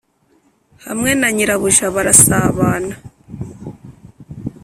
hamwe na nyirabuja barasabana